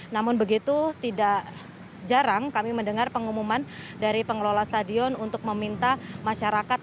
namun begitu tidak jarang kami mendengar pengumuman dari pengelola stadion untuk meminta masyarakat